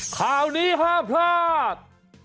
ข่าวนี้ห้ามพลาด